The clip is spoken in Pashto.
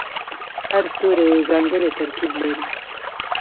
هر ستوری یو ځانګړی ترکیب لري.